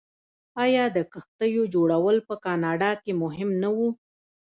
آیا د کښتیو جوړول په کاناډا کې مهم نه و؟